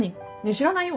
知らないよ